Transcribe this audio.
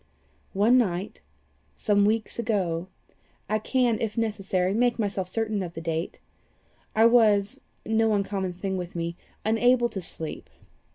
"One night, some weeks ago I can, if necessary, make myself certain of the date, I was no uncommon thing with me unable to sleep.